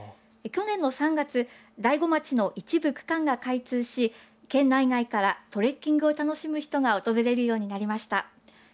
去年の３月、大子町の一部区間が開通し県内外からトレッキングを楽しむ人が訪れるようになりました。